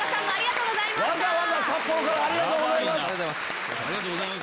札幌からありがとうございます。